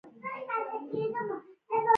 دا میوه پخه ده